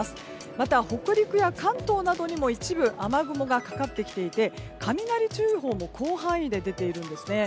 また、北陸や関東などにも一部雨雲がかかってきていて雷注意報も広範囲で出ているんですね。